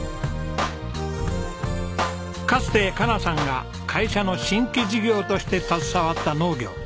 かつて佳奈さんが会社の新規事業として携わった農業。